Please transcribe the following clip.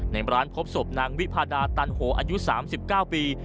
ในร้านพบศพนางวิพาดาตันโหอายุ๓๙ปี